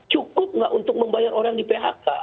cukup nggak untuk membayar orang di phk